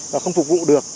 và không phục vụ được